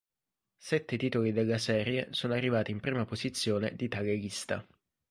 Sette titoli della serie sono arrivati in prima posizione di tale lista.